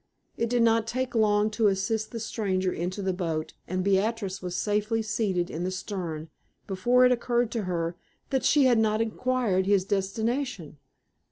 It did not take long to assist the stranger into the boat, and Beatrix was safely seated in the stern before it occurred to her that she had not inquired his destination.